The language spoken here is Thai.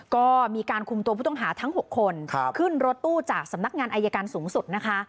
ก็มีการคุมตัวผู้ต้องหาทั้ง๖คนขึ้นรถตู้จากสำนักงานอายการสูงสุดนะคะ